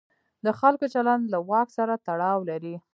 د خلکو چلند له واک سره تړاو لري.